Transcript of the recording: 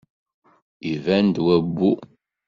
Iban-d wabbu.